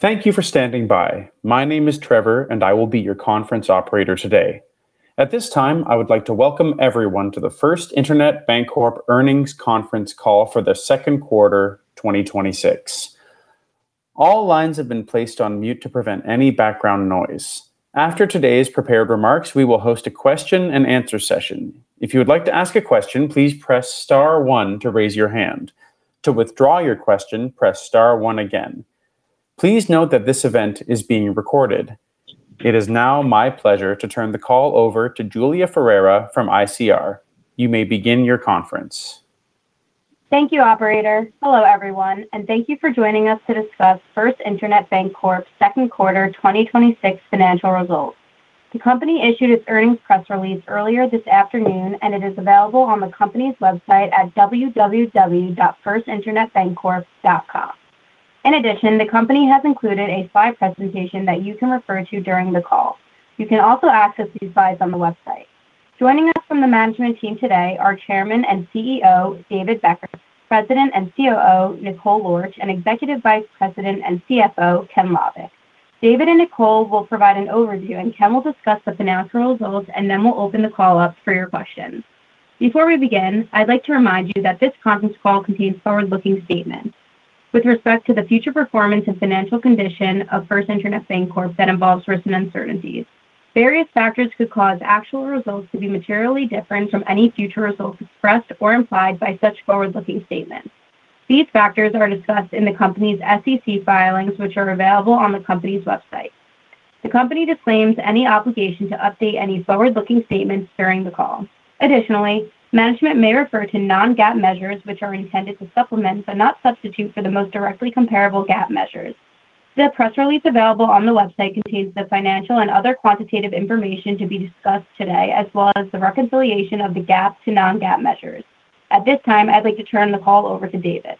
Thank you for standing by. My name is Trevor, and I will be your conference operator today. At this time, I would like to welcome everyone to the First Internet Bancorp Earnings Conference Call for Q2 2026. All lines have been placed on mute to prevent any background noise. After today's prepared remarks, we will host a question-and-answer session. If you would like to ask a question, please press star one to raise your hand. To withdraw your question, press star one again. Please note that this event is being recorded. It is now my pleasure to turn the call over to Julia Ferrara from ICR. You may begin your conference. Thank you, operator. Hello everyone, thank you for joining us to discuss First Internet Bancorp's Q2 2026 financial results. The company issued its earnings press release earlier this afternoon, and it is available on the company's website at www.firstinternetbancorp.com. In addition, the company has included a slide presentation that you can refer to during the call. You can also access these slides on the website. Joining us from the management team today are Chairman and CEO, David Becker, President and COO, Nicole Lorch, and Executive Vice President and CFO, Ken J. Lovik. David and Nicole will provide an overview, and Ken will discuss the financial results, and then we'll open the call up for your questions. Before we begin, I'd like to remind you that this conference call contains forward-looking statements with respect to the future performance and financial condition of First Internet Bancorp that involves risks and uncertainties. Various factors could cause actual results to be materially different from any future results expressed or implied by such forward-looking statements. These factors are discussed in the company's SEC filings, which are available on the company's website. The company disclaims any obligation to update any forward-looking statements during the call. Additionally, management may refer to non-GAAP measures, which are intended to supplement but not substitute for the most directly comparable GAAP measures. The press release available on the website contains the financial and other quantitative information to be discussed today, as well as the reconciliation of the GAAP to non-GAAP measures. At this time, I'd like to turn the call over to David.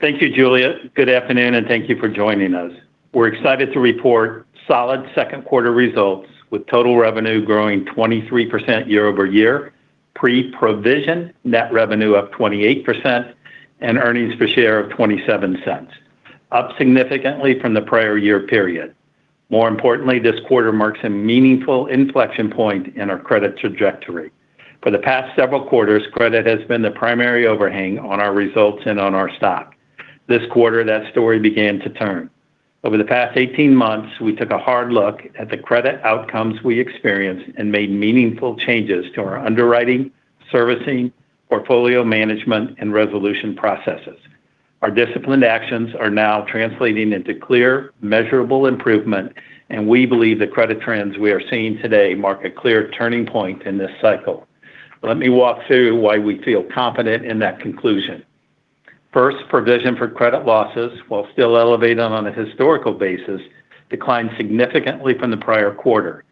Thank you, Julia. Good afternoon, thank you for joining us. We're excited to report solid second quarter results with total revenue growing 23% year-over-year, pre-provision net revenue up 28%, and earnings per share of $0.27, up significantly from the prior year period. More importantly, this quarter marks a meaningful inflection point in our credit trajectory. For the past several quarters, credit has been the primary overhang on our results and on our stock. This quarter, that story began to turn. Over the past 18 months, we took a hard look at the credit outcomes we experienced and made meaningful changes to our underwriting, servicing, portfolio management, and resolution processes. Our disciplined actions are now translating into clear, measurable improvement, and we believe the credit trends we are seeing today mark a clear turning point in this cycle. Let me walk through why we feel confident in that conclusion. First, provision for credit losses, while still elevated on a historical basis, declined significantly from the prior quarter.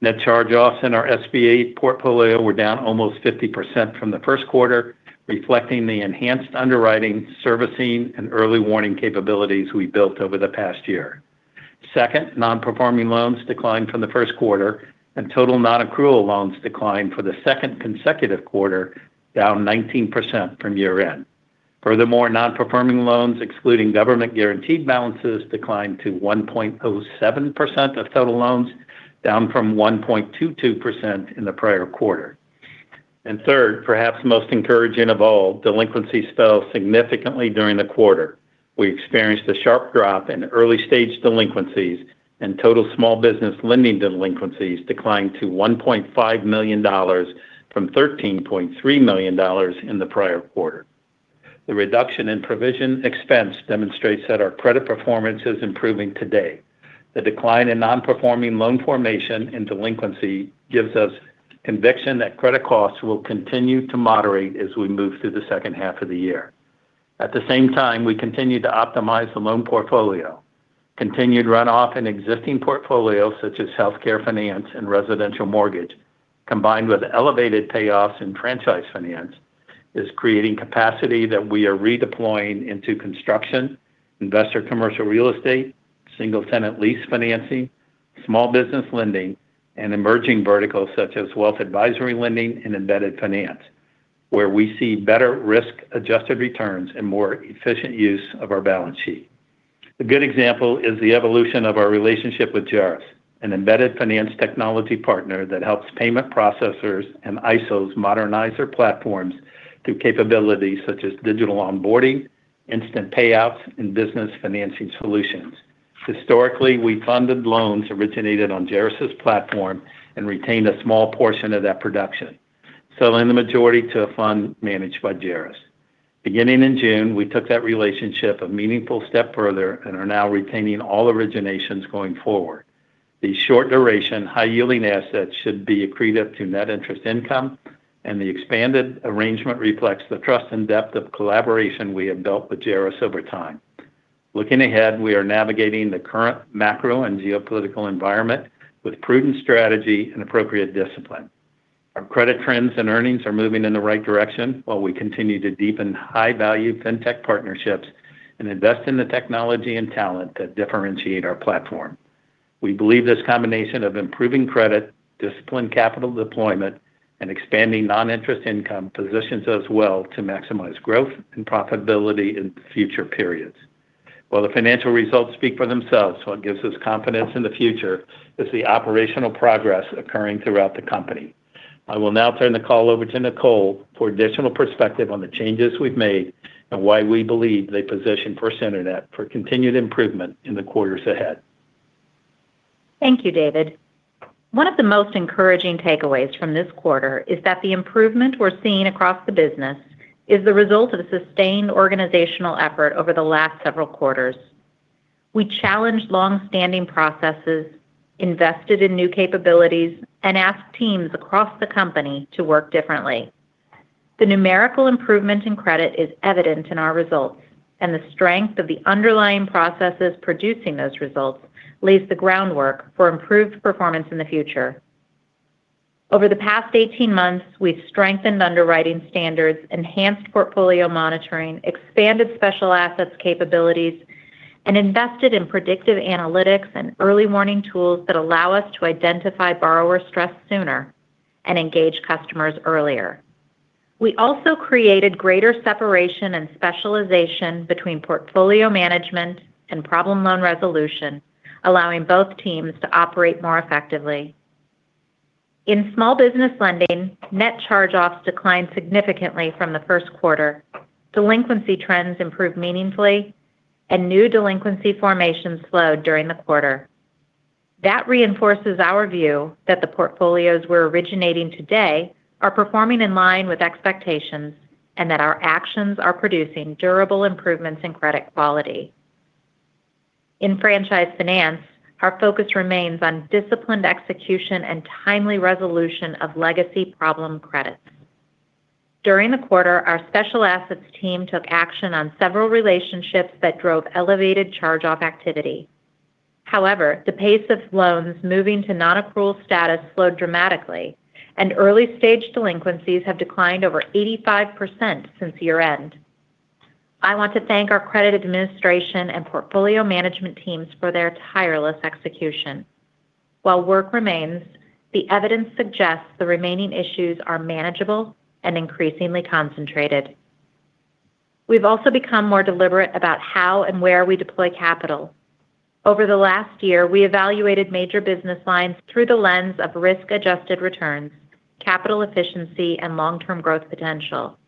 Net charge-offs in our SBA portfolio were down almost 50% from the first quarter, reflecting the enhanced underwriting, servicing, and early warning capabilities we built over the past year. Second, non-performing loans declined from the first quarter, and total non-accrual loans declined for the second consecutive quarter, down 19% from year-end. Furthermore, non-performing loans, excluding government-guaranteed balances, declined to 1.07% of total loans, down from 1.22% in the prior quarter. Third, perhaps most encouraging of all, delinquencies fell significantly during the quarter. We experienced a sharp drop in early-stage delinquencies, and total small business lending delinquencies declined to $1.5 million from $13.3 million in the prior quarter. The reduction in provision expense demonstrates that our credit performance is improving today. The decline in non-performing loan formation and delinquency gives us conviction that credit costs will continue to moderate as we move through the second half of the year. At the same time, we continue to optimize the loan portfolio. Continued runoff in existing portfolios such as healthcare finance and residential mortgage, combined with elevated payoffs in franchise finance, is creating capacity that we are redeploying into construction, investor commercial real estate, single-tenant lease financing, small business lending, and emerging verticals such as wealth advisory lending and embedded finance, where we see better risk-adjusted returns and more efficient use of our balance sheet. A good example is the evolution of our relationship with Jaris, an embedded finance technology partner that helps payment processors and ISOs modernize their platforms through capabilities such as digital onboarding, instant payouts, and business financing solutions. Historically, we funded loans originated on Jaris's platform and retained a small portion of that production, selling the majority to a fund managed by Jaris. Beginning in June, we took that relationship a meaningful step further and are now retaining all originations going forward. These short-duration, high-yielding assets should be accretive to net interest income, and the expanded arrangement reflects the trust and depth of collaboration we have built with Jaris over time. Looking ahead, we are navigating the current macro and geopolitical environment with prudent strategy and appropriate discipline. Our credit trends and earnings are moving in the right direction while we continue to deepen high-value fintech partnerships and invest in the technology and talent that differentiate our platform. We believe this combination of improving credit, disciplined capital deployment, and expanding non-interest income positions us well to maximize growth and profitability in future periods. While the financial results speak for themselves, what gives us confidence in the future is the operational progress occurring throughout the company. I will now turn the call over to Nicole for additional perspective on the changes we've made and why we believe they position First Internet for continued improvement in the quarters ahead. Thank you, David. One of the most encouraging takeaways from this quarter is that the improvement we're seeing across the business is the result of a sustained organizational effort over the last several quarters. We challenged long-standing processes, invested in new capabilities, and asked teams across the company to work differently. The numerical improvement in credit is evident in our results, and the strength of the underlying processes producing those results lays the groundwork for improved performance in the future. Over the past 18 months, we've strengthened underwriting standards, enhanced portfolio monitoring, expanded special assets capabilities, and invested in predictive analytics and early warning tools that allow us to identify borrower stress sooner and engage customers earlier. We also created greater separation and specialization between portfolio management and problem loan resolution, allowing both teams to operate more effectively. In small business lending, net charge-offs declined significantly from the first quarter. Delinquency trends improved meaningfully, new delinquency formations slowed during the quarter. That reinforces our view that the portfolios we're originating today are performing in line with expectations and that our actions are producing durable improvements in credit quality. In franchise finance, our focus remains on disciplined execution and timely resolution of legacy problem credits. During the quarter, our special assets team took action on several relationships that drove elevated charge-off activity. However, the pace of loans moving to non-accrual status slowed dramatically, and early-stage delinquencies have declined over 85% since year-end. I want to thank our credit administration and portfolio management teams for their tireless execution. While work remains, the evidence suggests the remaining issues are manageable and increasingly concentrated. We've also become more deliberate about how and where we deploy capital. Over the last year, we evaluated major business lines through the lens of risk-adjusted returns, capital efficiency, and long-term growth potential.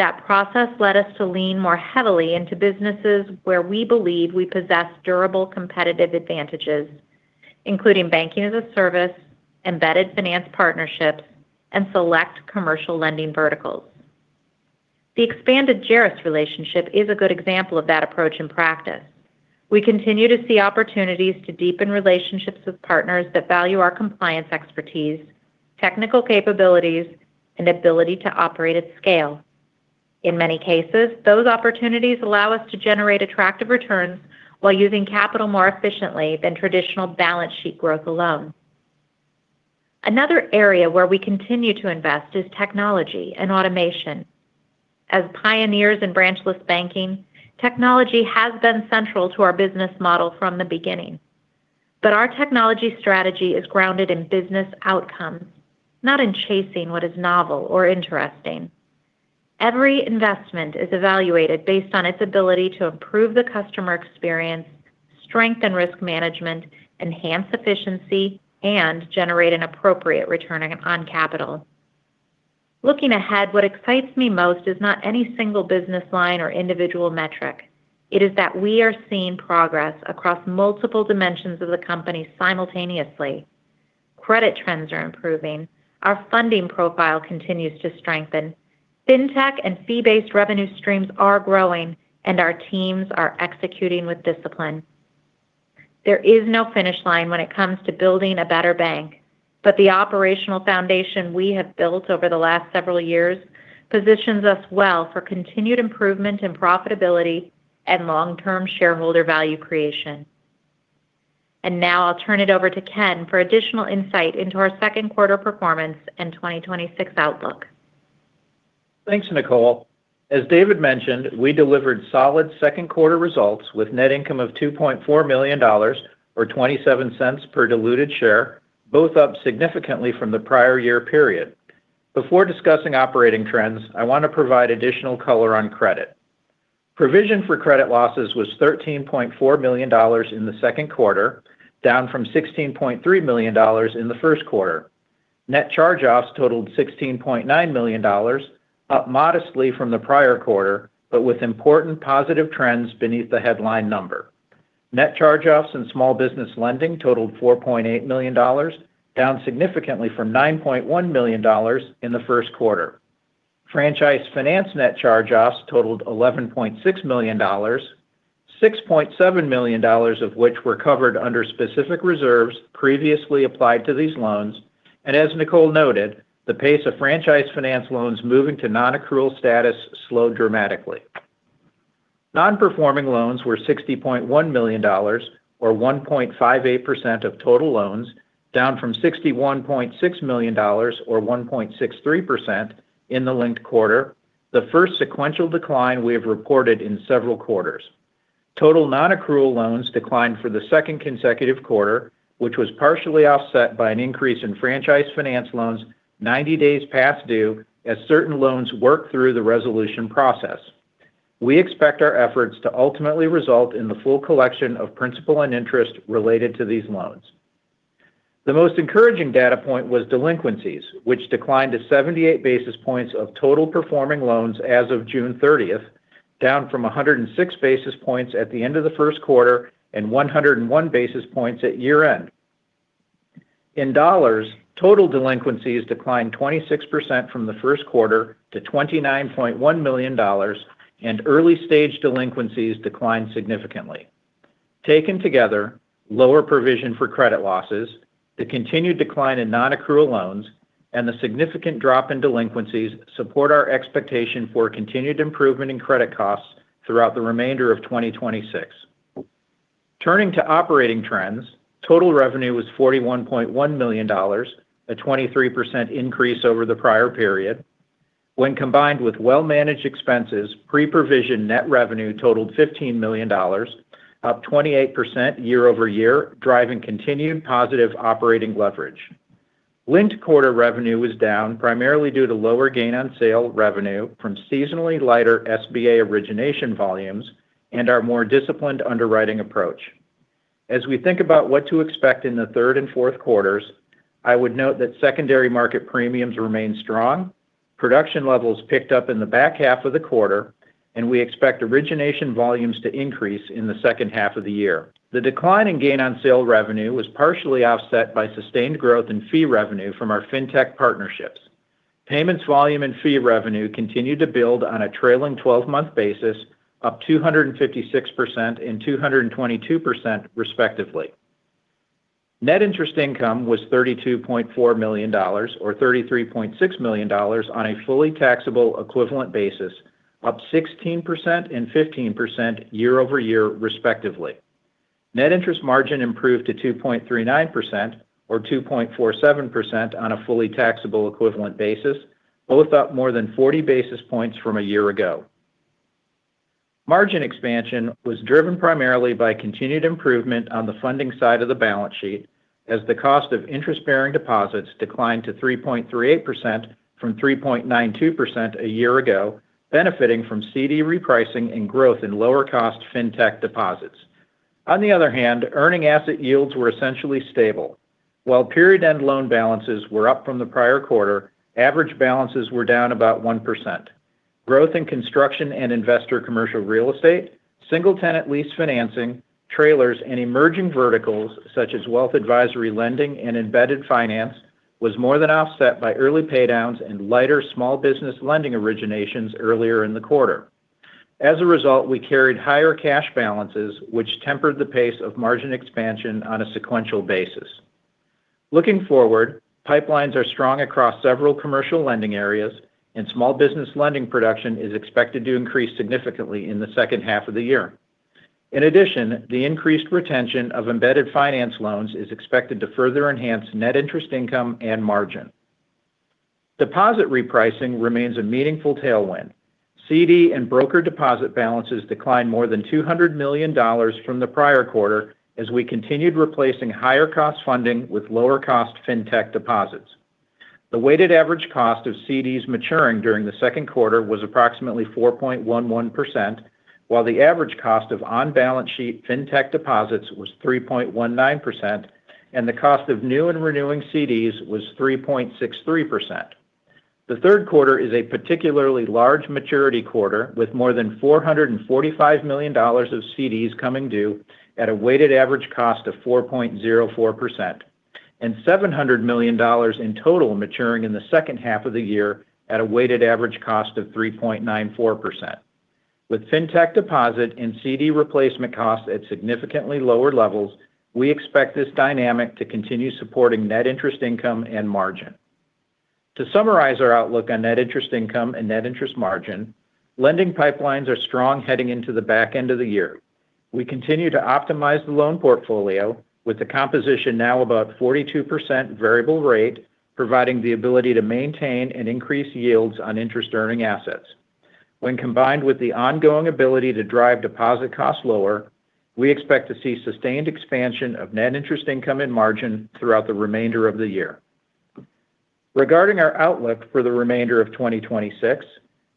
That process led us to lean more heavily into businesses where we believe we possess durable competitive advantages, including Banking-as-a-Service, embedded finance partnerships, and select commercial lending verticals. The expanded Jaris relationship is a good example of that approach in practice. We continue to see opportunities to deepen relationships with partners that value our compliance expertise, technical capabilities, and ability to operate at scale. In many cases, those opportunities allow us to generate attractive returns while using capital more efficiently than traditional balance sheet growth alone. Another area where we continue to invest is technology and automation. As pioneers in branchless banking, technology has been central to our business model from the beginning. Our technology strategy is grounded in business outcomes, not in chasing what is novel or interesting. Every investment is evaluated based on its ability to improve the customer experience, strengthen risk management, enhance efficiency, and generate an appropriate return on capital. Looking ahead, what excites me most is not any single business line or individual metric. It is that we are seeing progress across multiple dimensions of the company simultaneously. Credit trends are improving. Our funding profile continues to strengthen. Fintech and fee-based revenue streams are growing, and our teams are executing with discipline. There is no finish line when it comes to building a better bank, but the operational foundation we have built over the last several years positions us well for continued improvement in profitability and long-term shareholder value creation. Now I'll turn it over to Ken for additional insight into our second quarter performance and 2026 outlook. Thanks, Nicole. As David mentioned, we delivered solid Q2 results with net income of $2.4 million, or $0.27 per diluted share, both up significantly from the prior year period. Before discussing operating trends, I want to provide additional color on credit. Provision for credit losses was $13.4 million in the second quarter, down from $16.3 million in Q1. Net charge-offs totaled $16.9 million, up modestly from the prior quarter but with important positive trends beneath the headline number. Net charge-offs in small business lending totaled $4.8 million, down significantly from $9.1 million in Q1. Franchise finance net charge-offs totaled $11.6 million, $6.7 million of which were covered under specific reserves previously applied to these loans, as Nicole noted, the pace of franchise finance loans moving to non-accrual status slowed dramatically. Non-performing loans were $60.1 million, or 1.58% of total loans, down from $61.6 million, or 1.63%, in the linked quarter. The first sequential decline we have reported in several quarters. Total non-accrual loans declined for the second consecutive quarter, which was partially offset by an increase in franchise finance loans 90 days past due as certain loans work through the resolution process. We expect our efforts to ultimately result in the full collection of principal and interest related to these loans. The most encouraging data point was delinquencies, which declined to 78 basis points of total performing loans as of June 30th, down from 106 basis points at the end of Q1 and 101 basis points at year-end. In dollars, total delinquencies declined 26% from Q1 to $29.1 million, early-stage delinquencies declined significantly. Taken together, lower provision for credit losses, the continued decline in non-accrual loans, the significant drop in delinquencies support our expectation for continued improvement in credit costs throughout the remainder of 2026. Turning to operating trends, total revenue was $41.1 million, a 23% increase over the prior period. When combined with well-managed expenses, pre-provision net revenue totaled $15 million, up 28% year-over-year, driving continued positive operating leverage. Linked quarter revenue was down primarily due to lower gain on sale revenue from seasonally lighter SBA origination volumes and our more disciplined underwriting approach. As we think about what to expect in Q3 and Q4, I would note that secondary market premiums remain strong, production levels picked up in the back half of the quarter, we expect origination volumes to increase in H2 of the year. The decline in gain on sale revenue was partially offset by sustained growth in fee revenue from our fintech partnerships. Payments volume and fee revenue continued to build on a trailing 12-month basis, up 256% and 222%, respectively. Net interest income was $32.4 million, or $33.6 million on a fully taxable equivalent basis, up 16% and 15% year-over-year, respectively. Net interest margin improved to 2.39%, or 2.47% on a fully taxable equivalent basis, both up more than 40 basis points from a year ago. Margin expansion was driven primarily by continued improvement on the funding side of the balance sheet as the cost of interest-bearing deposits declined to 3.38% from 3.92% a year ago, benefiting from CD repricing and growth in lower-cost fintech deposits. On the other hand, earning asset yields were essentially stable. While period-end loan balances were up from the prior quarter, average balances were down about 1%. Growth in construction and investor commercial real estate, single-tenant lease financing, trailers, and emerging verticals such as wealth advisory lending and embedded finance was more than offset by early pay-downs and lighter small business lending originations earlier in the quarter. As a result, we carried higher cash balances, which tempered the pace of margin expansion on a sequential basis. Looking forward, pipelines are strong across several commercial lending areas, and small business lending production is expected to increase significantly in the second half of the year. In addition, the increased retention of embedded finance loans is expected to further enhance net interest income and margin. Deposit repricing remains a meaningful tailwind. CD and broker deposit balances declined more than $200 million from the prior quarter as we continued replacing higher-cost funding with lower-cost fintech deposits. The weighted average cost of CDs maturing during the second quarter was approximately 4.11%, while the average cost of on-balance sheet fintech deposits was 3.19%, and the cost of new and renewing CDs was 3.63%. The third quarter is a particularly large maturity quarter, with more than $445 million of CDs coming due at a weighted average cost of 4.04% and $700 million in total maturing in the second half of the year at a weighted average cost of 3.94%. With fintech deposit and CD replacement costs at significantly lower levels, we expect this dynamic to continue supporting net interest income and margin. To summarize our outlook on net interest income and net interest margin, lending pipelines are strong heading into the back end of the year. We continue to optimize the loan portfolio with the composition now about 42% variable rate, providing the ability to maintain and increase yields on interest-earning assets. When combined with the ongoing ability to drive deposit costs lower, we expect to see sustained expansion of net interest income and margin throughout the remainder of the year. Regarding our outlook for the remainder of 2026,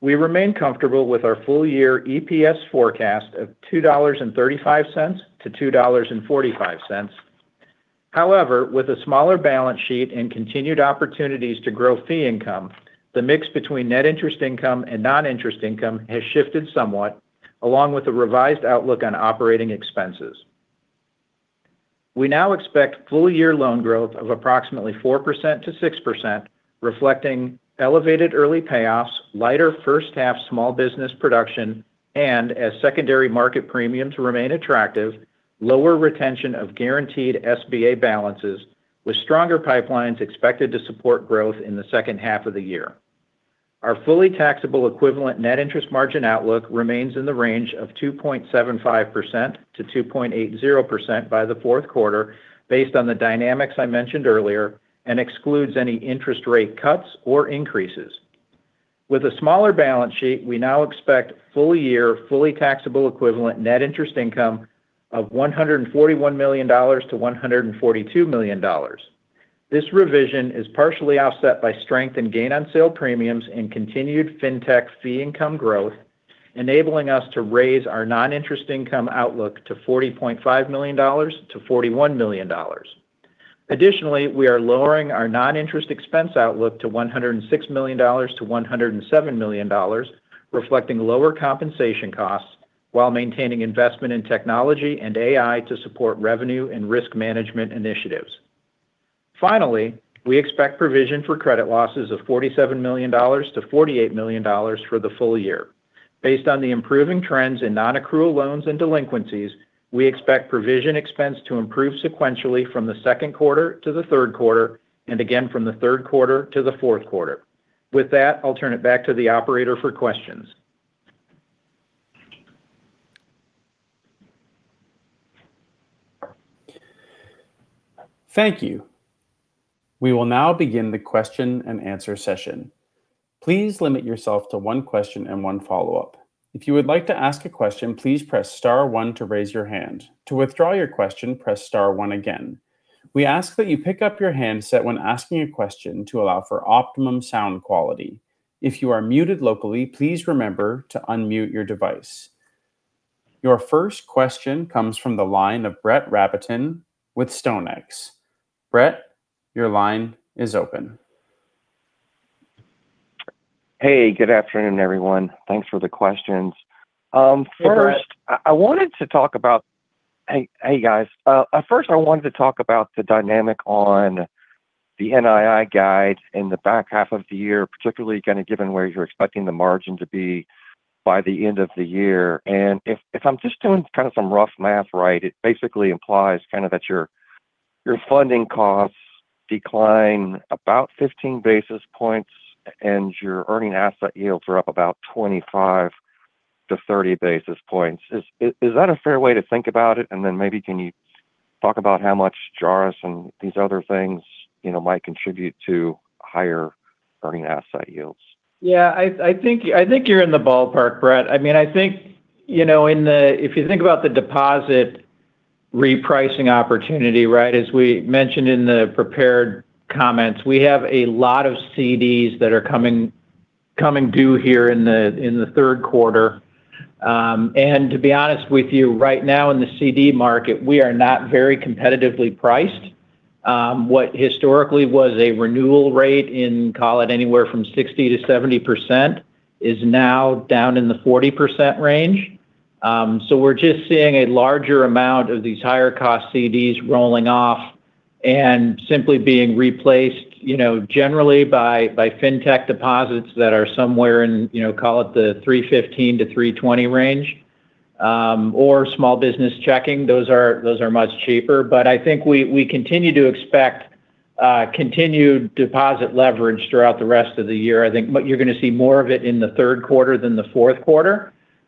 we remain comfortable with our full-year EPS forecast of $2.35 to $2.45. However, with a smaller balance sheet and continued opportunities to grow fee income, the mix between net interest income and non-interest income has shifted somewhat, along with a revised outlook on operating expenses. We now expect full-year loan growth of approximately 4%-6%, reflecting elevated early payoffs, lighter first-half small business production, and as secondary market premiums remain attractive, lower retention of guaranteed SBA balances with stronger pipelines expected to support growth in the second half of the year. Our fully taxable equivalent net interest margin outlook remains in the range of 2.75%-2.80% by Q4 based on the dynamics I mentioned earlier and excludes any interest rate cuts or increases. With a smaller balance sheet, we now expect full year, fully taxable equivalent net interest income of $141 million-$142 million. This revision is partially offset by strength and gain on sale premiums and continued fintech fee income growth, enabling us to raise our non-interest income outlook to $40.5 million-$41 million. We are lowering our non-interest expense outlook to $106 million-$107 million, reflecting lower compensation costs while maintaining investment in technology and AI to support revenue and risk management initiatives. We expect provision for credit losses of $47 million-$48 million for the full year. Based on the improving trends in non-accrual loans and delinquencies, we expect provision expense to improve sequentially from the second quarter to the third quarter, and again from the third quarter to the fourth quarter. With that, I'll turn it back to the operator for questions. Thank you. We will now begin the question-and-answer session. Please limit yourself to one question and one follow-up. If you would like to ask a question, please press star one to raise your hand. To withdraw your question, press star one again. We ask that you pick up your handset when asking a question to allow for optimum sound quality. If you are muted locally, please remember to unmute your device. Your first question comes from the line of Brett Rabatin with StoneX. Brett, your line is open. Hey, good afternoon, everyone. Thanks for the questions. Hey, Brett. Hey, guys. First, I wanted to talk about the dynamic on the NII guide in the back half of the year, particularly kind of given where you're expecting the margin to be by the end of the year. If I'm just doing kind of some rough math, right, it basically implies kind of that your funding costs decline about 15 basis points and your earning asset yields are up about 25-30 basis points. Is that a fair way to think about it? Then maybe can you talk about how much Jaris and these other things might contribute to higher earning asset yields? Yeah, I think you're in the ballpark, Brett. If you think about the deposit repricing opportunity, right, as we mentioned in the prepared comments, we have a lot of CDs that are coming due here in Q3. To be honest with you, right now in the CD market, we are not very competitively priced. What historically was a renewal rate in, call it anywhere from 60%-70%, is now down in the 40% range. We're just seeing a larger amount of these higher cost CDs rolling off and simply being replaced, generally by fintech deposits that are somewhere in, call it the 315-320 range, or small business checking. Those are much cheaper. I think we continue to expect continued deposit leverage throughout the rest of the year. I think you're going to see more of it in Q3 than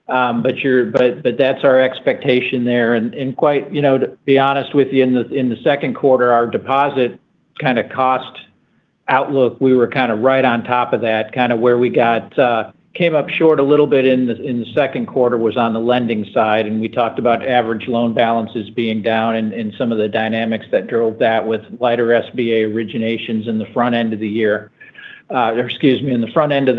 Q4. That's our expectation there. To be honest with you, in Q2, our deposit kind of cost outlook, we were kind of right on top of that. Kind of where we came up short a little bit in Q2 was on the lending side, and we talked about average loan balances being down and some of the dynamics that drove that with lighter SBA originations in the front end of the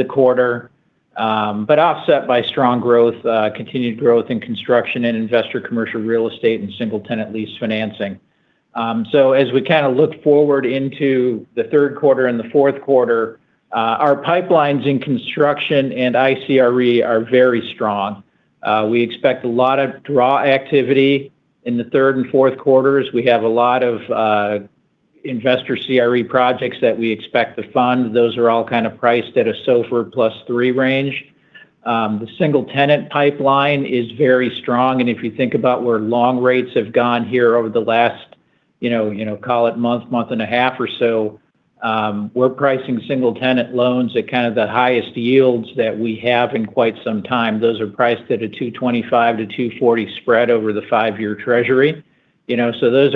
quarter. Offset by strong growth, continued growth in construction and investor commercial real estate and single-tenant lease financing. As we kind of look forward into Q3 and Q4, our pipelines in construction and ICRE are very strong. We expect a lot of draw activity in the third and fourth quarters. We have a lot of investor CRE projects that we expect to fund. Those are all kind of priced at a SOFR +3 range. The single-tenant pipeline is very strong, if you think about where long rates have gone here over the last, call it month and a half or so, we're pricing single-tenant loans at kind of the highest yields that we have in quite some time. Those are priced at a 225-240 spread over the 5-year Treasury. Those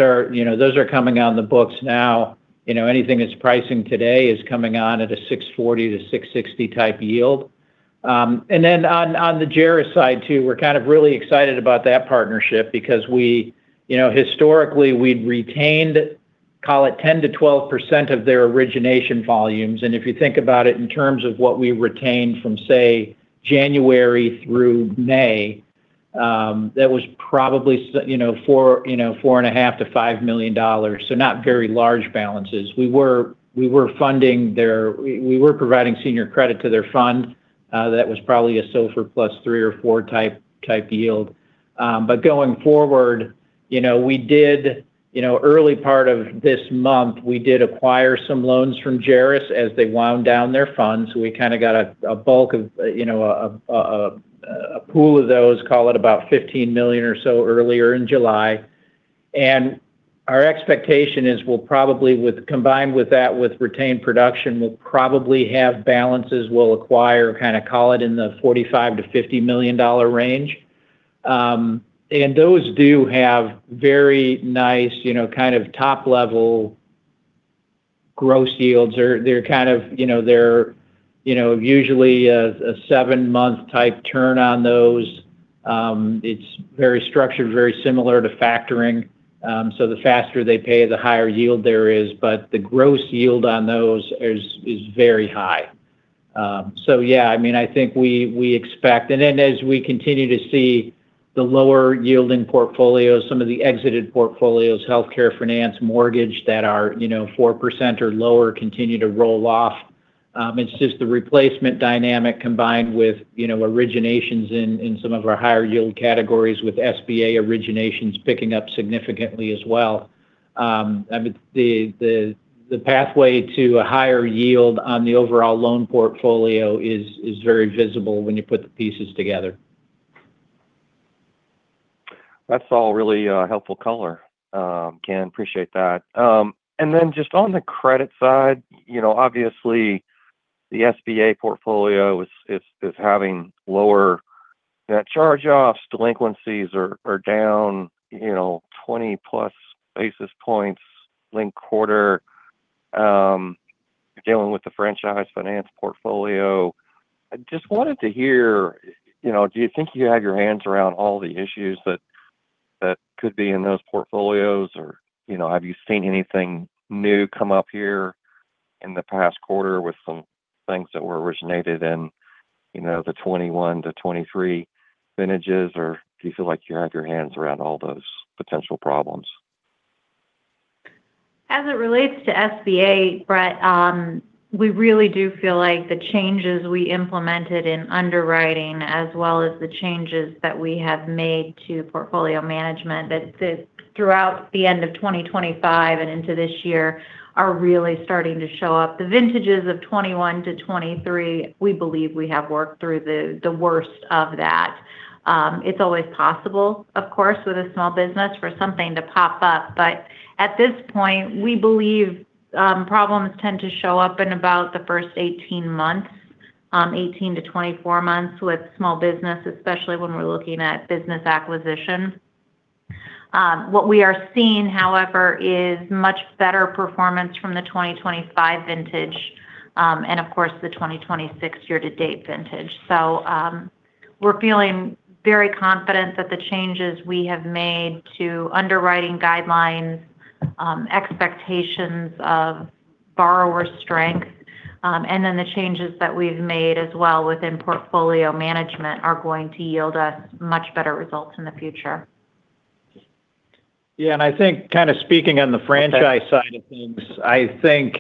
are coming on the books now. Anything that's pricing today is coming on at a 640-660 type yield. On the Jaris side too, we're kind of really excited about that partnership because historically we'd retained, call it 10%-12% of their origination volumes. If you think about it in terms of what we retained from, say, January through May, that was probably $4.5 million-$5 million. Not very large balances. We were providing senior credit to their fund. That was probably a SOFR +3 or +4 type yield. Going forward, early part of this month, we did acquire some loans from Jaris as they wound down their funds. We kind of got a pool of those, call it about $15 million or so earlier in July. Our expectation is we'll probably, combined with that with retained production, we'll probably have balances we'll acquire kind of call it in the $45 million-$50 million range. Those do have very nice top-level gross yields. They're usually a 7-month type turn on those. It's very structured, very similar to factoring. The faster they pay, the higher yield there is, but the gross yield on those is very high. Yeah, I think we expect it. As we continue to see the lower yielding portfolios, some of the exited portfolios, healthcare finance, mortgage that are 4% or lower continue to roll off. It's just the replacement dynamic combined with originations in some of our higher yield categories with SBA originations picking up significantly as well. I mean, the pathway to a higher yield on the overall loan portfolio is very visible when you put the pieces together. That's all really helpful color, Ken. Appreciate that. Just on the credit side, obviously the SBA portfolio is having lower net charge-offs. Delinquencies are down 20-plus basis points linked quarter. Again, with the franchise finance portfolio, I just wanted to hear, do you think you have your hands around all the issues that could be in those portfolios? Have you seen anything new come up here in the past quarter with some things that were originated in the 2021-2023 vintages? Do you feel like you have your hands around all those potential problems? As it relates to SBA, Brett, we really do feel like the changes we implemented in underwriting as well as the changes that we have made to portfolio management throughout the end of 2025 and into this year are really starting to show up. The vintages of 2021-2023, we believe we have worked through the worst of that. It's always possible, of course, with a small business for something to pop up, but at this point, we believe problems tend to show up in about the first 18 months, 18-24 months with small business, especially when we're looking at business acquisitions. What we are seeing, however, is much better performance from the 2025 vintage, and of course, the 2026 year-to-date vintage. We're feeling very confident that the changes we have made to underwriting guidelines, expectations of borrower strength, and then the changes that we've made as well within portfolio management are going to yield us much better results in the future. I think kind of speaking on the franchise side of things, I think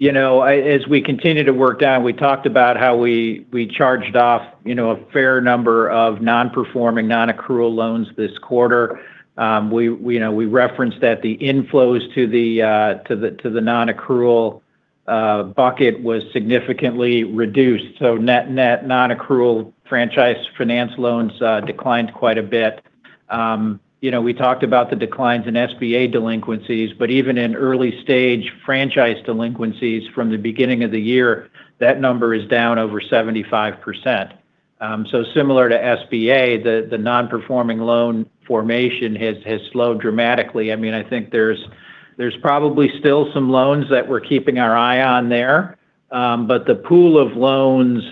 as we continue to work down, we talked about how we charged off a fair number of non-performing, non-accrual loans this quarter. We referenced that the inflows to the non-accrual bucket was significantly reduced. Net non-accrual franchise finance loans declined quite a bit. We talked about the declines in SBA delinquencies, but even in early-stage franchise delinquencies from the beginning of the year, that number is down over 75%. Similar to SBA, the non-performing loan formation has slowed dramatically. I think there's probably still some loans that we're keeping our eye on there. The pool of loans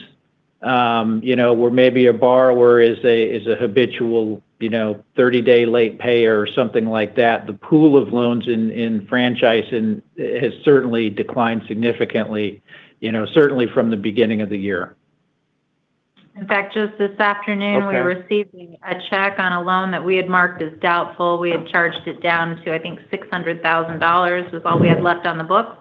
where maybe a borrower is a habitual 30-day late payer or something like that, the pool of loans in franchise has certainly declined significantly certainly from the beginning of the year. In fact, just this afternoon- Okay We received a check on a loan that we had marked as doubtful. We had charged it down to, I think $600,000 was all we had left on the book.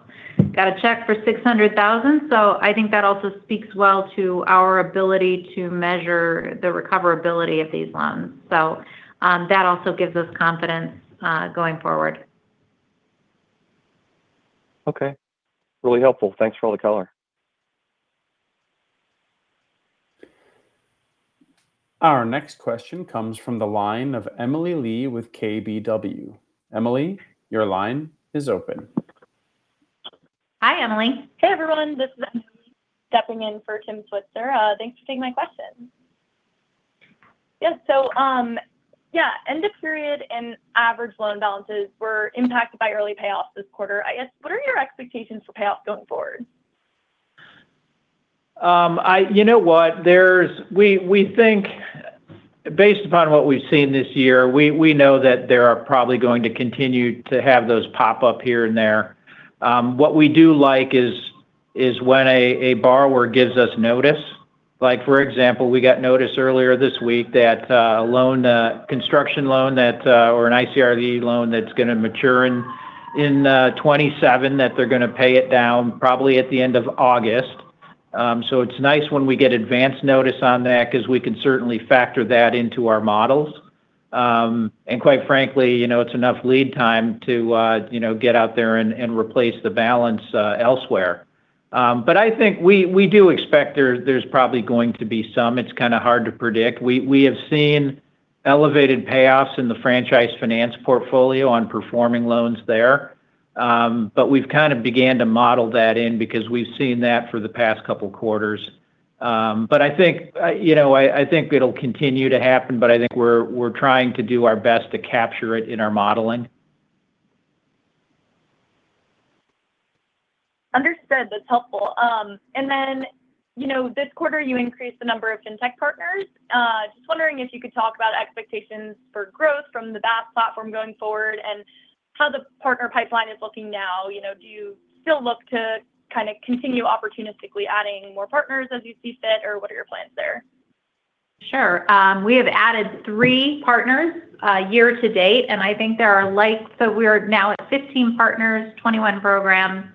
Got a check for $600,000. I think that also speaks well to our ability to measure the recoverability of these loans. That also gives us confidence going forward. Okay. Really helpful. Thanks for all the color. Our next question comes from the line of Emily Lee with KBW. Emily, your line is open. Hi, Emily. Hey, everyone. This is Emily stepping in for Tim Switzer. Thanks for taking my question. Yeah. End of period and average loan balances were impacted by early payoffs this quarter. I guess, what are your expectations for payoffs going forward? You know what? We think based upon what we've seen this year, we know that there are probably going to continue to have those pop up here and there. What we do like is when a borrower gives us notice. Like for example, we got notice earlier this week that a construction loan or an ICRE loan that's going to mature in 2027, that they're going to pay it down probably at the end of August. It's nice when we get advance notice on that because we can certainly factor that into our models. Quite frankly, it's enough lead time to get out there and replace the balance elsewhere. I think we do expect there's probably going to be some. It's kind of hard to predict. We have seen elevated payoffs in the franchise finance portfolio on performing loans there. We've kind of began to model that in because we've seen that for the past couple quarters. I think it'll continue to happen, but I think we're trying to do our best to capture it in our modeling. Understood. That's helpful. This quarter you increased the number of fintech partners. Just wondering if you could talk about expectations for growth from the BaaS platform going forward and how the partner pipeline is looking now. Do you still look to kind of continue opportunistically adding more partners as you see fit? What are your plans there? Sure. We have added three partners year to date. We are now at 15 partners, 21 programs.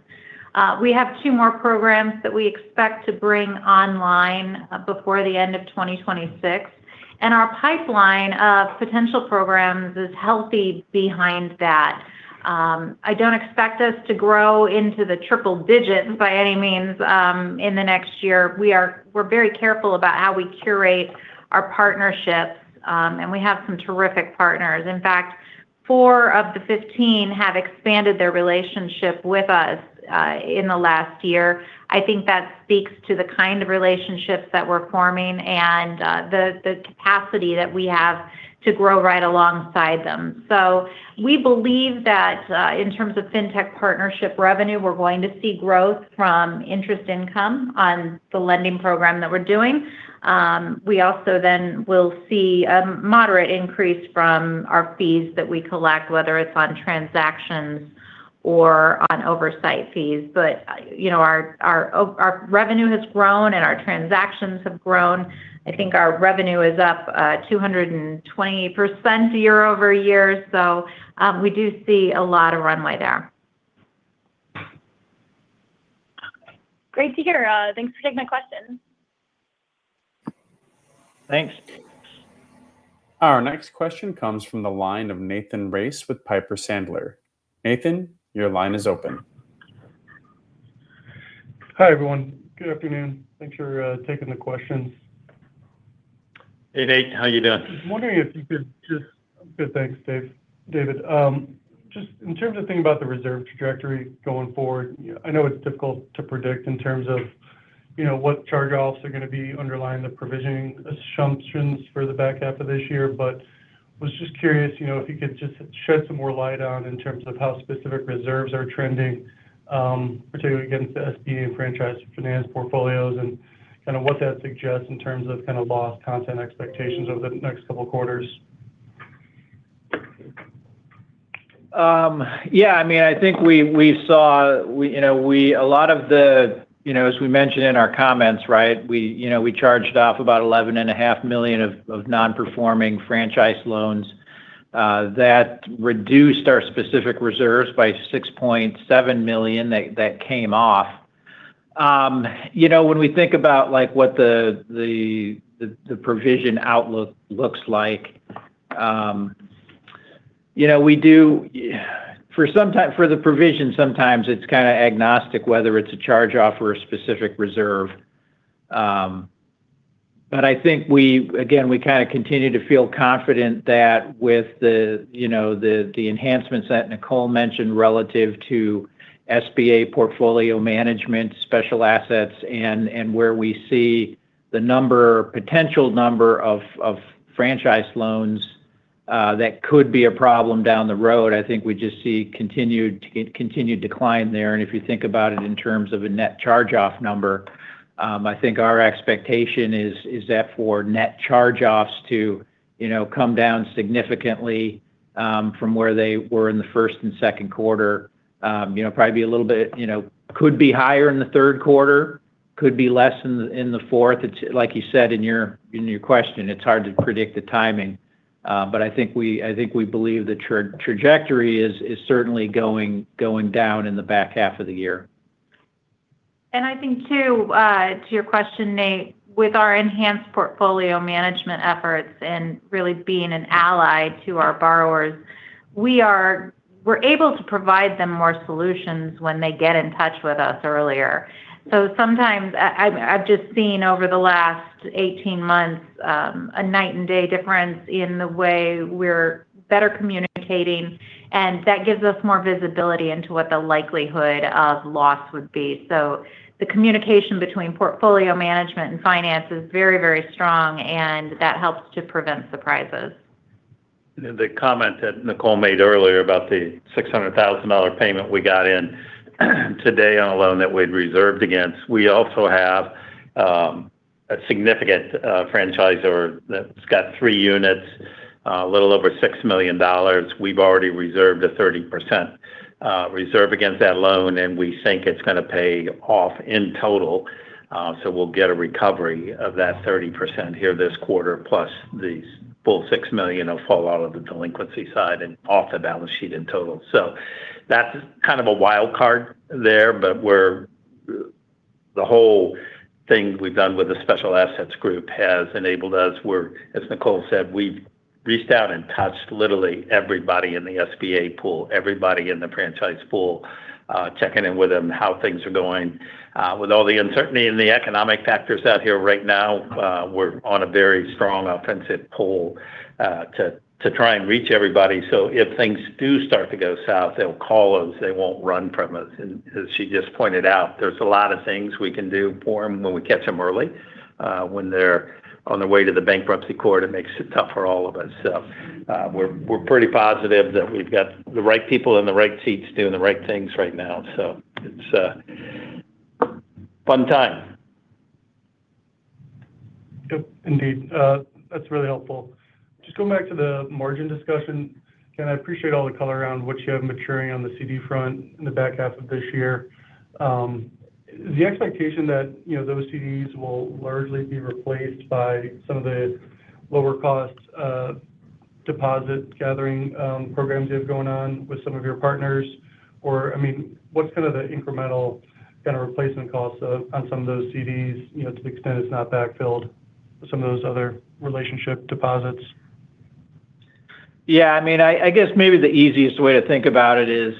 We have two more programs that we expect to bring online before the end of 2026. Our pipeline of potential programs is healthy behind that. I don't expect us to grow into the triple digits by any means in the next year. We're very careful about how we curate our partnerships. We have some terrific partners. In fact, four of the 15 have expanded their relationship with us in the last year. I think that speaks to the kind of relationships that we're forming and the capacity that we have to grow right alongside them. We believe that, in terms of fintech partnership revenue, we're going to see growth from interest income on the lending program that we're doing. We also will see a moderate increase from our fees that we collect, whether it's on transactions or on oversight fees. Our revenue has grown and our transactions have grown. I think our revenue is up 220% year-over-year. We do see a lot of runway there. Great to hear. Thanks for taking my question. Thanks. Our next question comes from the line of Nathan Race with Piper Sandler. Nathan, your line is open. Hi, everyone. Good afternoon. Thanks for taking the questions. Hey, Nate. How you doing? Good, thanks, David. Just in terms of thinking about the reserve trajectory going forward, I know it's difficult to predict in terms of what charge-offs are going to be underlying the provisioning assumptions for the back half of this year. Was just curious if you could just shed some more light on in terms of how specific reserves are trending, particularly against the SBA and franchise finance portfolios, and kind of what that suggests in terms of loss content expectations over the next couple quarters. Yeah. I think as we mentioned in our comments, we charged off about $11.5 million of non-performing franchise loans. That reduced our specific reserves by $6.7 million that came off. When we think about what the provision outlook looks like, for the provision, sometimes it's kind of agnostic whether it's a charge-off or a specific reserve. I think we kind of continue to feel confident that with the enhancements that Nicole mentioned relative to SBA portfolio management, special assets, and where we see the potential number of franchise loans that could be a problem down the road. I think we just see continued decline there. If you think about it in terms of a net charge-off number, I think our expectation is that for net charge-offs to come down significantly from where they were in the first and second quarter. Could be higher in the third quarter, could be less in the fourth. Like you said in your question, it's hard to predict the timing. I think we believe the trajectory is certainly going down in the back half of the year. I think, too, to your question, Nate, with our enhanced portfolio management efforts and really being an ally to our borrowers, we're able to provide them more solutions when they get in touch with us earlier. Sometimes I've just seen over the last 18 months a night and day difference in the way we're better communicating, and that gives us more visibility into what the likelihood of loss would be. The communication between portfolio management and finance is very strong, and that helps to prevent surprises. The comment that Nicole made earlier about the $600,000 payment we got in today on a loan that we'd reserved against. We also have a significant franchisor that's got three units, a little over $6 million. We've already reserved a 30% reserve against that loan, and we think it's going to pay off in total. We'll get a recovery of that 30% here this quarter, plus the full $6 million will fall out of the delinquency side and off the balance sheet in total. That's kind of a wild card there, but the whole thing we've done with the special assets group has enabled us where, as Nicole said, we've reached out and touched literally everybody in the SBA pool, everybody in the franchise pool, checking in with them, how things are going. With all the uncertainty and the economic factors out here right now, we're on a very strong offensive pull to try and reach everybody. If things do start to go south, they'll call us, they won't run from us. As she just pointed out, there's a lot of things we can do for them when we catch them early. When they're on their way to the bankruptcy court, it makes it tough for all of us. We're pretty positive that we've got the right people in the right seats doing the right things right now. It's a fun time. Yep. Indeed. That's really helpful. Just going back to the margin discussion. Ken, I appreciate all the color around what you have maturing on the CD front in the back half of this year. Is the expectation that those CDs will largely be replaced by some of the lower cost deposit gathering programs you have going on with some of your partners? What's kind of the incremental replacement cost on some of those CDs to the extent it's not backfilled with some of those other relationship deposits? Yeah, I guess maybe the easiest way to think about it is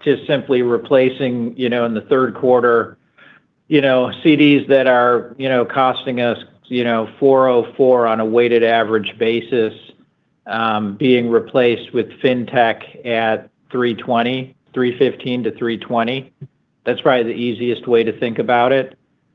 just simply replacing in Q3 CDs that are costing us 404 on a weighted average basis, being replaced with Fintech at 315 to 320. That's probably the easiest way to think about it.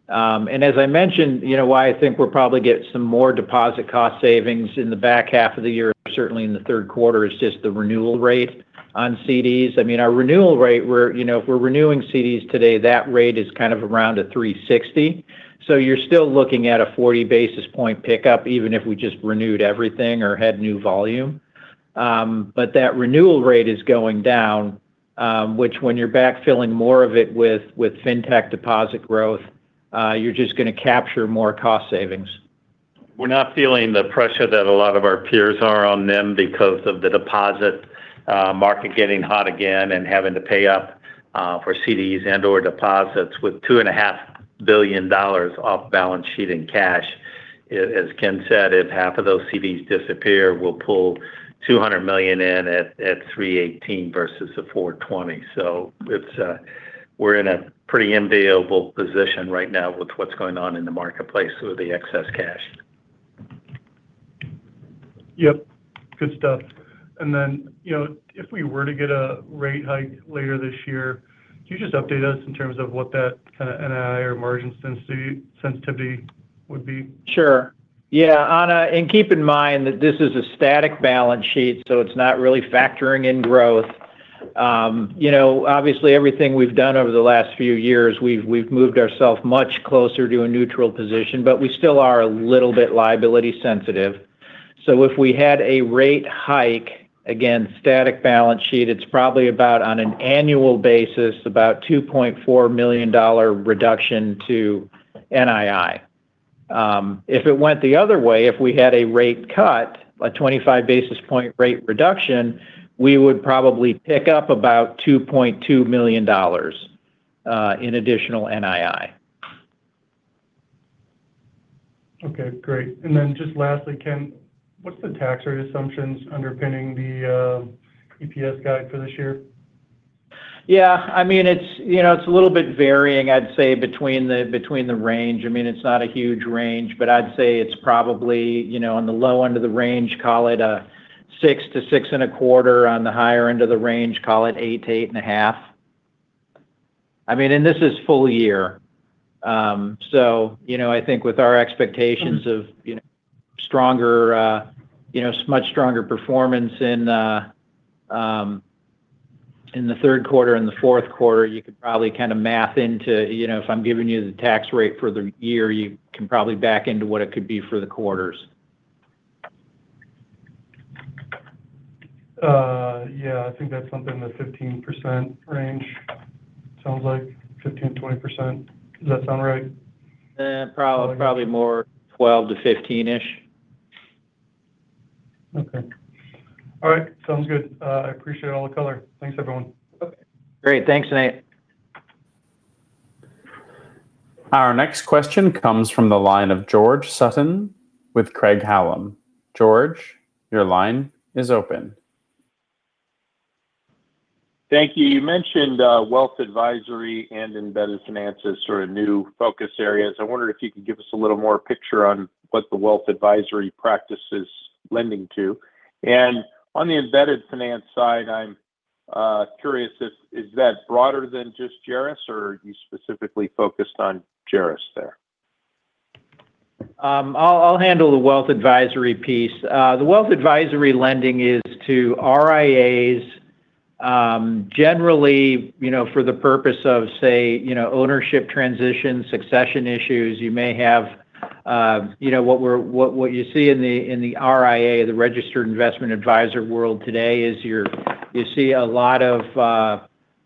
As I mentioned, why I think we'll probably get some more deposit cost savings in the back half of the year, certainly in Q3, is just the renewal rate on CDs. Our renewal rate, if we're renewing CDs today, that rate is kind of around a 360. You're still looking at a 40 basis point pickup even if we just renewed everything or had new volume. That renewal rate is going down, which when you're back filling more of it with Fintech deposit growth, you're just going to capture more cost savings. We're not feeling the pressure that a lot of our peers are on them because of the deposit market getting hot again and having to pay up for CDs and/or deposits with $2.5 billion off balance sheet in cash. As Ken said, if half of those CDs disappear, we'll pull $200 million in at 318 versus the 420. We're in a pretty enviable position right now with what's going on in the marketplace with the excess cash. Yep. Good stuff. If we were to get a rate hike later this year, could you just update us in terms of what that kind of NII or margin sensitivity would be? Sure. Yeah, Nathan, keep in mind that this is a static balance sheet, it's not really factoring in growth. Obviously, everything we've done over the last few years, we've moved ourself much closer to a neutral position, we still are a little bit liability sensitive. If we had a rate hike, again, static balance sheet, it's probably about, on an annual basis, about $2.4 million reduction to NII. If it went the other way, if we had a rate cut, a 25 basis point rate reduction, we would probably pick up about $2.2 million in additional NII. Okay, great. Then just lastly, Ken, what's the tax rate assumptions underpinning the EPS guide for this year? Yeah, it's a little bit varying, I'd say, between the range. It's not a huge range, I'd say it's probably on the low end of the range, call it a 6%-6.25%. On the higher end of the range, call it 8%-8.5%. This is full year. I think with our expectations of much stronger performance in the third quarter and fourth quarter, you could probably kind of math into, if I'm giving you the tax rate for the year, you can probably back into what it could be for the quarters. Yeah. I think that's something in the 15% range. Sounds like 15%-20%. Does that sound right? Probably more 12-15-ish. Okay. All right. Sounds good. I appreciate all the color. Thanks, everyone. Okay. Great. Thanks, Nate. Our next question comes from the line of George Sutton with Craig-Hallum. George, your line is open. Thank you. You mentioned wealth advisory and embedded finance as sort of new focus areas. I wondered if you could give us a little more picture on what the wealth advisory practice is lending to. On the embedded finance side, I'm curious if is that broader than just Jaris or are you specifically focused on Jaris there? I'll handle the wealth advisory piece. The wealth advisory lending is to RIAs. Generally, for the purpose of say, ownership transition, succession issues. What you see in the RIA, the registered investment advisor world today is you see a lot of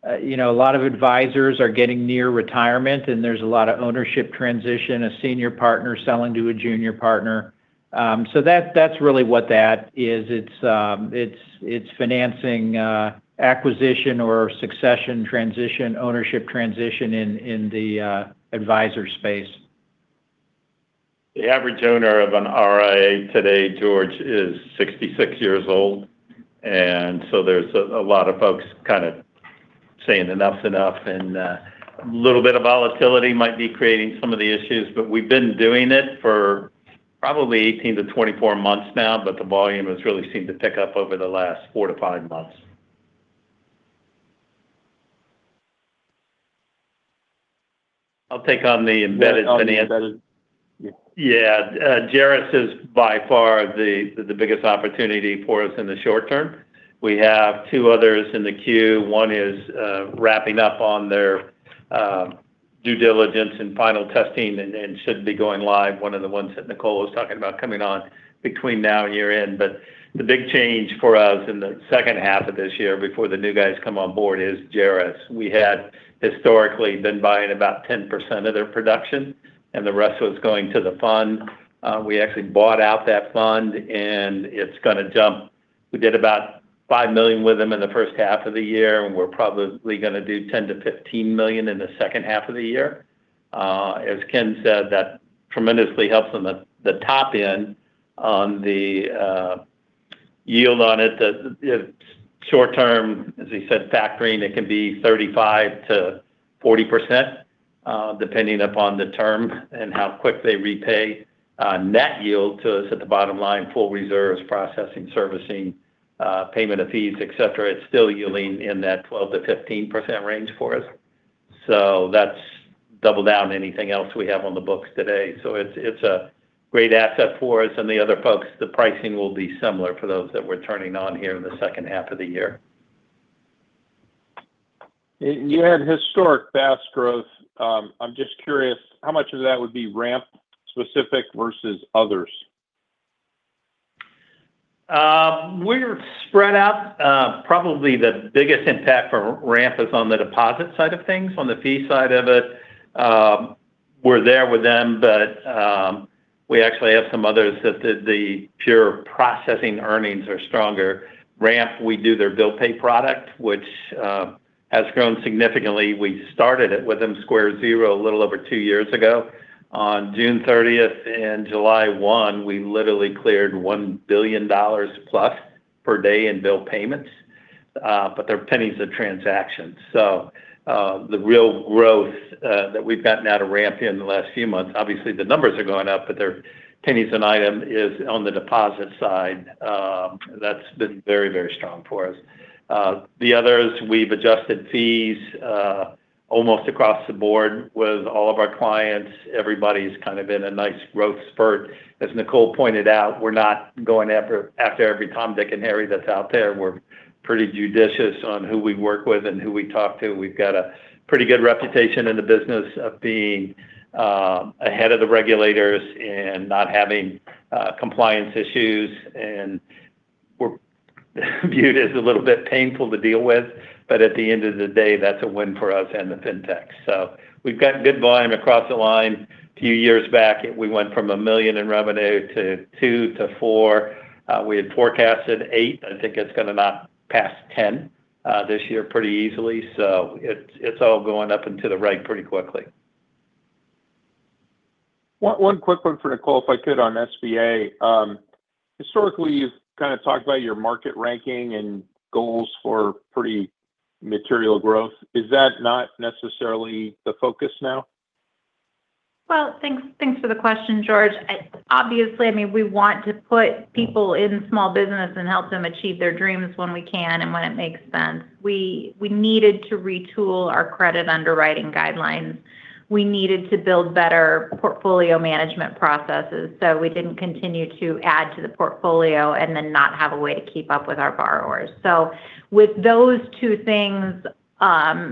advisors are getting near retirement, and there's a lot of ownership transition, a senior partner selling to a junior partner. That's really what that is. It's financing acquisition or succession transition, ownership transition in the advisor space. The average owner of an RIA today, George, is 66 years old. There's a lot of folks kind of saying, Enough's enough. A little bit of volatility might be creating some of the issues. We've been doing it for probably 18-24 months now, but the volume has really seemed to pick up over the last four-five months. I'll take on the embedded finance. Embedded. Yeah. Jaris is by far the biggest opportunity for us in the short term. We have two others in the queue. One is wrapping up on their due diligence and final testing, and should be going live, one of the ones that Nicole was talking about coming on between now and year-end. The big change for us in the second half of this year before the new guys come on board is Jaris. We had historically been buying about 10% of their production and the rest was going to the fund. We actually bought out that fund, and it's going to jump. We did about $5 million with them in the first half of the year, and we're probably going to do $10 million-$15 million in the second half of the year. As Ken said, that tremendously helps them at the top end on the yield on it. The short term, as he said, factoring, it can be 35%-40%, depending upon the term and how quick they repay net yield to us at the bottom line, full reserves, processing, servicing, payment of fees, et cetera. It's still yielding in that 12%-15% range for us. That's double down anything else we have on the books today. It's a great asset for us and the other folks. The pricing will be similar for those that we're turning on here in the second half of the year. You had historic fast growth. I'm just curious, how much of that would be Ramp specific versus others? We're spread out. Probably the biggest impact for Ramp is on the deposit side of things. On the fee side of it, we're there with them. We actually have some others that the pure processing earnings are stronger. Ramp, we do their bill pay product, which has grown significantly. We started it with them square at zero a little over two years ago. On June 30th and July 1, we literally cleared $1 billion+ per day in bill payments. They're pennies a transaction. The real growth that we've gotten out of Ramp in the last few months, obviously the numbers are going up, but they're pennies an item is on the deposit side. That's been very, very strong for us. The others, we've adjusted fees almost across the board with all of our clients. Everybody's kind of in a nice growth spurt. As Nicole pointed out, we're not going after every Tom, Dick, and Harry that's out there. We're pretty judicious on who we work with and who we talk to. We've got a pretty good reputation in the business of being ahead of the regulators and not having compliance issues. We're viewed as a little bit painful to deal with, but at the end of the day, that's a win for us and the fintechs. We've got good volume across the line. Few years back, we went from $1 million in revenue to $2 million to $4 million. We had forecasted $8 million. I think it's going to knock past $10 million this year pretty easily. It's all going up into the right pretty quickly. One quick one for Nicole, if I could, on SBA. Historically, you've kind of talked about your market ranking and goals for pretty material growth. Is that not necessarily the focus now? Well, thanks for the question, George. Obviously, we want to put people in small business and help them achieve their dreams when we can and when it makes sense. We needed to retool our credit underwriting guidelines. We needed to build better portfolio management processes so we didn't continue to add to the portfolio and then not have a way to keep up with our borrowers. With those two things addressed,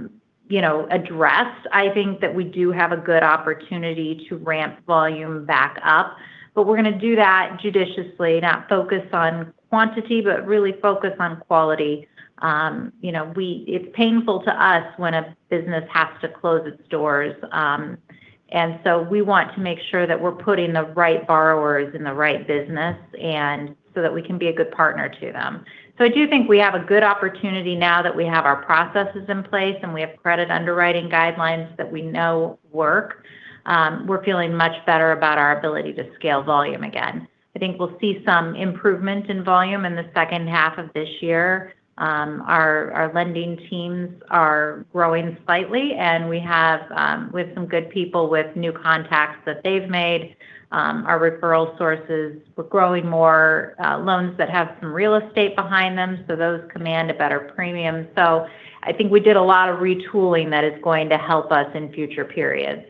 I think that we do have a good opportunity to ramp volume back up, but we're going to do that judiciously. Not focus on quantity, but really focus on quality. It's painful to us when a business has to close its doors. We want to make sure that we're putting the right borrowers in the right business, and so that we can be a good partner to them. I do think we have a good opportunity now that we have our processes in place and we have credit underwriting guidelines that we know work. We're feeling much better about our ability to scale volume again. I think we'll see some improvement in volume in the second half of this year. Our lending teams are growing slightly, and we have some good people with new contacts that they've made. Our referral sources, we're growing more loans that have some real estate behind them, so those command a better premium. I think we did a lot of retooling that is going to help us in future periods.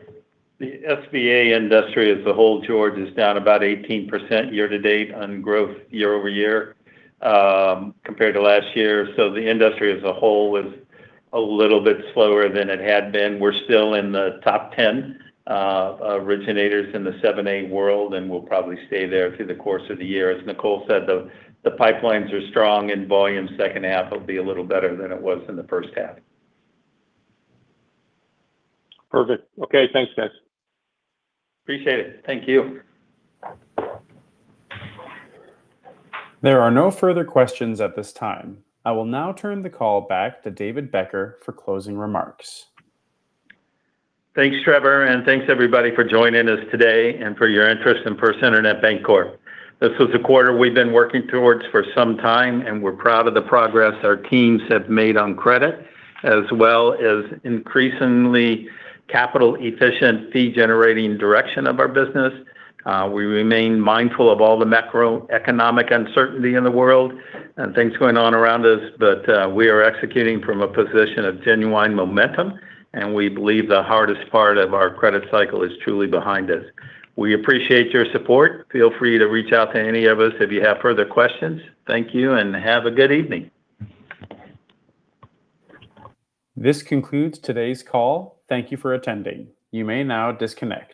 The SBA industry as a whole, George, is down about 18% year-to-date on growth year-over-year compared to last year. The industry as a whole was a little bit slower than it had been. We're still in the top 10 originators in the seven, eight world, and we'll probably stay there through the course of the year. As Nicole said, the pipelines are strong and volume H2 will be a little better than it was in H1. Perfect. Okay. Thanks, guys. Appreciate it. Thank you. There are no further questions at this time. I will now turn the call back to David Becker for closing remarks. Thanks, Trevor, and thanks everybody for joining us today and for your interest in First Internet Bancorp. This was a quarter we've been working towards for some time, and we're proud of the progress our teams have made on credit, as well as increasingly capital efficient fee-generating direction of our business. We remain mindful of all the macroeconomic uncertainty in the world and things going on around us, but we are executing from a position of genuine momentum, and we believe the hardest part of our credit cycle is truly behind us. We appreciate your support. Feel free to reach out to any of us if you have further questions. Thank you and have a good evening. This concludes today's call. Thank you for attending. You may now disconnect.